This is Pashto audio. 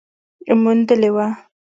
موندلې وه